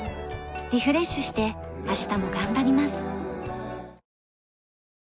リフレッシュして明日も頑張ります。